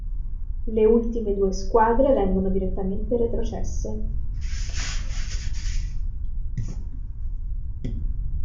Le ultime due squadre vengono direttamente retrocesse.